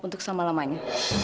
untuk sama lamanya